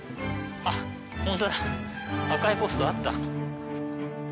あっホントだ赤いポストあった。